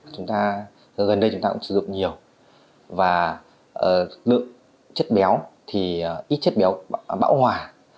chúng ta gần đây chúng ta cũng sử dụng nhiều và lượng chất béo thì ít chất béo bão hòa